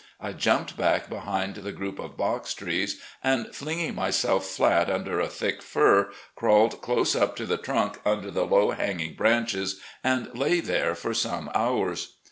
I jumped back behind the group of box trees, and, flinging myself flat under a thick fir, crawled close up to the trunk tmder the low hanging branches, and lay there for some hours.